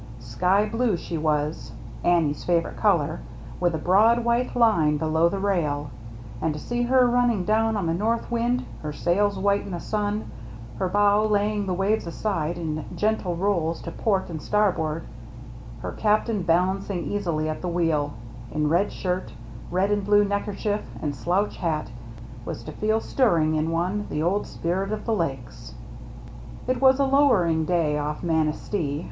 Sky blue she was (Annie's favorite color), with a broad white line below the rail ; and to see her run ning down on the north wind, her sails white B 17 i8 THE MERRT ANNE in the sun, her bow laying the waves aside in gentle rolls to port and starboard, her cap tain balancing easily at the wheel, in red shirt, red and blue neckerchief, and slouch hat, was to feel stirring in one the old spirit of the Lakes. It was a lowering day off Manistee.